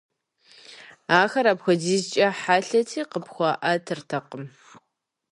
Ахэр апхуэдизкӀэ хьэлъэти, къыпхуэӀэтыртэкъым.